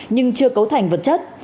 nhưng chưa cấu thành vật chất